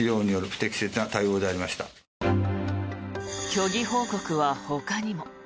虚偽報告はほかにも。